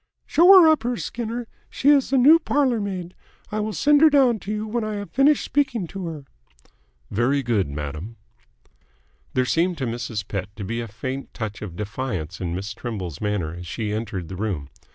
"Show her up here, Skinner. She is the new parlour maid. I will send her down to you when I have finished speaking to her." "Very good, madam." There seemed to Mrs. Pett to be a faint touch of defiance in Miss Trimble's manner as she entered the room.